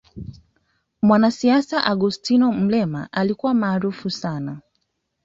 mwanasiasa augustino mrema alikuwa maarufu sana